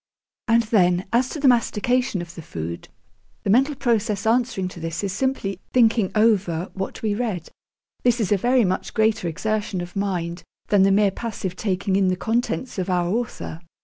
And then, as to the mastication of the food, the mental process answering to this is simply thinking over what we read. This is a very much greater exertion of mind than the mere passive taking in the contents of our Author.